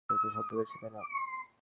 কেউ তো শব্দটা করেছে, তাই না?